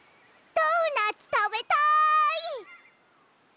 ドーナツたべたい！